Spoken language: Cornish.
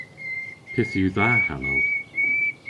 Pyth yw dha hanow?